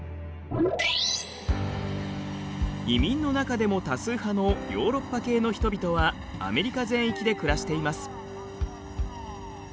移民の中でも多数派のヨーロッパ系の人々はアメリカ全域で暮らしています。